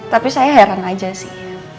tapi saya heran aja sih